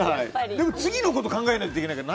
でも、次のこと考えないといけないから。